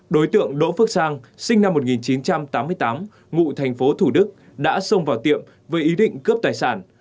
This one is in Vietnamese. đối tượng đỗ phước sang sinh năm một nghìn chín trăm tám mươi tám ngụ thành phố thủ đức đã xông vào tiệm với ý định cướp tài sản